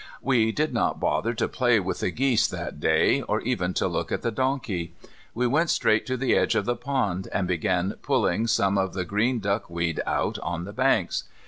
We did not bother to play with the geese that day or even to look at the donkey. We went straight to the edge of the pond and began pulling some of the green duckweed out on the banks.